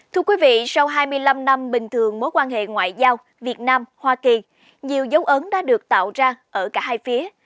thưa quý vị sau hai mươi năm năm bình thường mối quan hệ ngoại giao việt nam hoa kỳ nhiều dấu ấn đã được tạo ra ở cả hai phía